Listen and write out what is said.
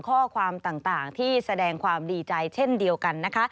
ข้อความต่างที่แสดงความดีใจเช่นเดียวกันนะคะ